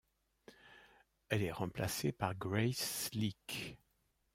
Elle est remplacée par Grace Slick.